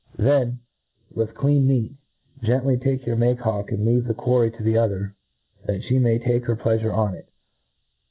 Then, with clean meat, gently take up your make hawk, and leave the quarry to the other, that fhe may take her plea fure on it.